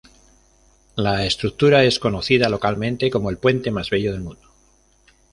La estructura es conocida localmente como el puente más bello del mundo.